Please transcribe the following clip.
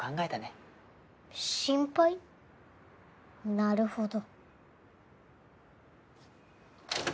なるほど。